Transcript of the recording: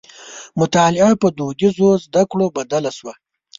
مطالعه په دودیزو زدکړو بدله شوه.